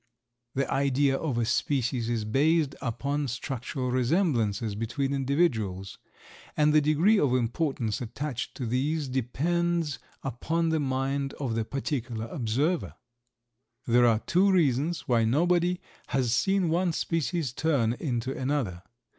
The idea of a species is based upon structural resemblances between individuals, and the degree of importance attached to these depends upon the mind of the particular observer. There are two reasons why nobody has seen one species turn into another.